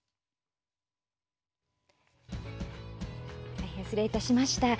大変失礼いたしました。